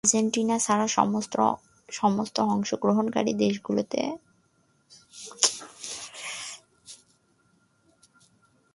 Argentina ছাড়া, সমস্ত অংশগ্রহণকারী দেশগুলি ইউরোপের ছিল।